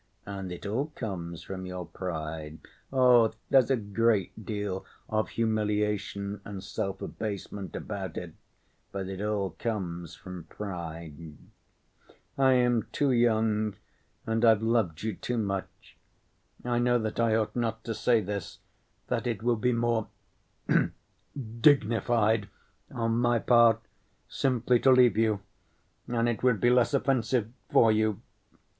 And it all comes from your pride. Oh, there's a great deal of humiliation and self‐abasement about it, but it all comes from pride.... I am too young and I've loved you too much. I know that I ought not to say this, that it would be more dignified on my part simply to leave you, and it would be less offensive for you.